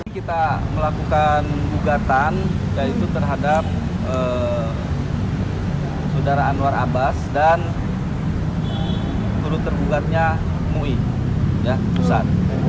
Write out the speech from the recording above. kita melakukan gugatan yaitu terhadap saudara anwar abbas dan turut tergugatnya mui pusat